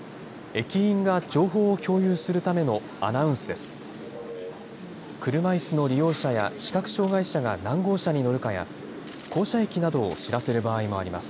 駅員が情報を共有するためのアナウンスです。